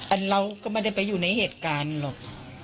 เราก็ไม่ได้ไปอยู่ในเหตุการณ์หรอก